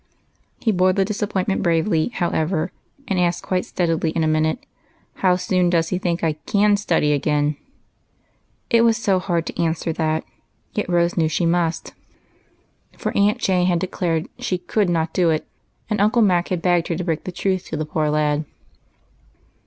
He bore the disappointment bravely, however, and asked quite steadily in a minute, —" How soon does he think I can study again ?" It was so hard to answer that ! Yet Rose knew she must, for Aunt Jane had declared she could not do it, and Uncle Mac had begged her to break the truth to the poor lad.